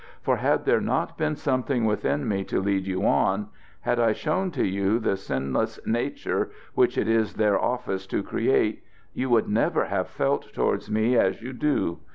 For had there not been something within me to lead you on had I shown to you the sinless nature which it is their office to create you would never have felt towards me as you do.